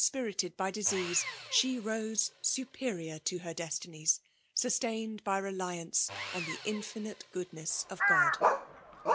^ dkpirited b]^ disease, she rose superior to her destinies, sustained by reliance on the infinite goodness of Gob.